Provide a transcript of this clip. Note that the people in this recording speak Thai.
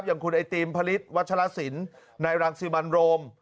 อย่างคุณไอตี้มพลิตวัชฌสรรกษ์ศิลป์นายรางศิรมนรม